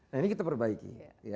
nah ini kita perbaiki